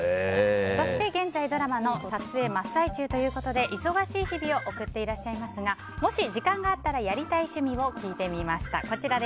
そして現在、ドラマの撮影真っ最中ということで忙しい日々を送っていらっしゃいますがもし時間があったらやりたい趣味を聴いてみました。